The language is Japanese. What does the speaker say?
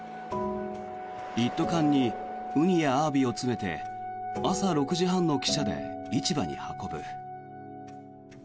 一斗缶にウニやアワビを詰めて朝６時半の汽車で市場に運ぶ。